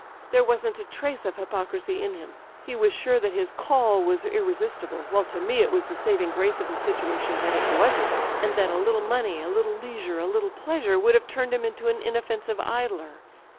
There wasn't a trace of hypocrisy in him. He was sure that his 'call' was irresistible, while to me it was [261 ] Digitized by LjOOQ IC THE EYES the saving grace of his situation that it wasn% and that a little money, a little leisure, a little pleasure would have turned him into an inoffensive idler.